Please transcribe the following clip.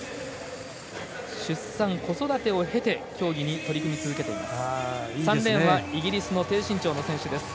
出産、子育てを経て競技に取り組んでいます。